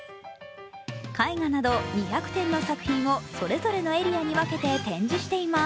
絵画など２００点の作品をそれぞれのエリアに分けて展示しています。